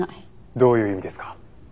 どういう意味ですか？